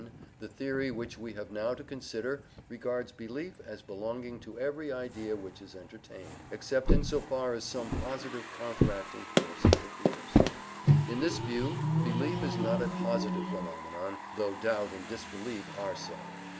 (1) The theory which we have now to consider regards belief as belonging to every idea which is entertained, except in so far as some positive counteracting force interferes. In this view belief is not a positive phenomenon, though doubt and disbelief are so.